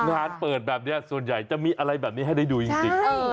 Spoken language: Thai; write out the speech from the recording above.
งานเปิดแบบนี้ส่วนใหญ่จะมีอะไรแบบนี้ให้ได้ดูจริง